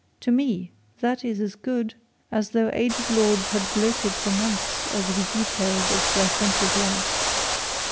To me that is as good as though aged lords had gloated for months over the details of his licentious life.